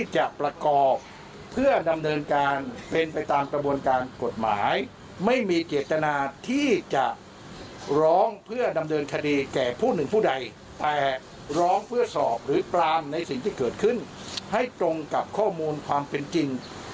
ใจแต่ร้องเพื่อสอบหรือปลามในสิ่งที่เกิดขึ้นให้ตรงกับข้อมูลความเป็นจริง